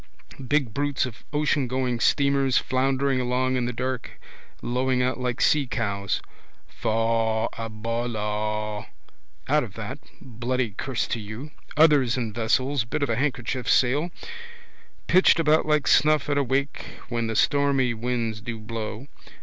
Big brutes of oceangoing steamers floundering along in the dark, lowing out like seacows. Faugh a ballagh! Out of that, bloody curse to you! Others in vessels, bit of a handkerchief sail, pitched about like snuff at a wake when the stormy winds do blow.